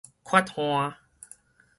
缺旱